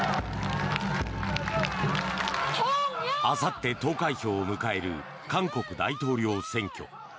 あさって投開票を迎える韓国大統領選挙。